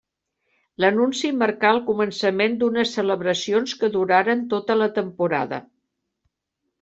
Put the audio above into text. L'anunci marcà el començament d'unes celebracions que duraren tota la temporada.